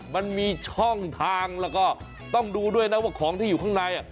มันมีช่องทางแล้วก็ต้องดูด้วยนะว่าของที่อยู่ข้างใน